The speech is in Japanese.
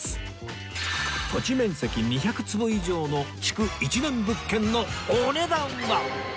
土地面積２００坪以上の築１年物件のお値段は！？